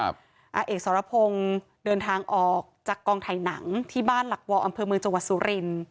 อาเอกสรพงศ์เดินทางออกจากกองถ่ายหนังที่บ้านหลักวออำเภอเมืองจังหวัดสุรินทร์